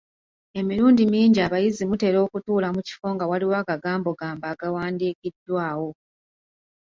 Emirundi mingi abayizi mutera okutuula mu kifo nga waliwo agagambogambo agawadiikiddwawo.